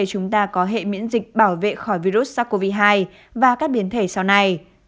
chúng ta có hệ miễn dịch bảo vệ khỏi virus sars cov hai và các biến thể sau này